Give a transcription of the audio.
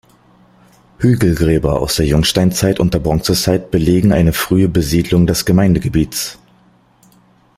Hügelgräber aus der Jungsteinzeit und der Bronzezeit belegen eine frühe Besiedlung des Gemeindegebiets.